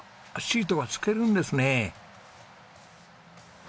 シートが透けるんですね。